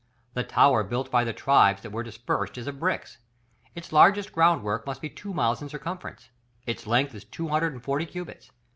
"The tower built by the tribes that were dispersed is of bricks; its largest ground work must be two miles in circumference; its length is two hundred and forty cubits.